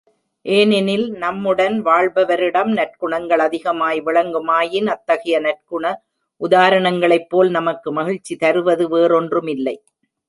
ஏனெனில் நம்முடன் வாழ்பவரிடம் நற்குணங்கள் அதிகமாய் விளங்குமாயின், அத்தகைய நற்குண உதாரணங்களைப்போல் நமக்கு மகிழ்ச்சி தருவது வேறொன்றுமில்லை.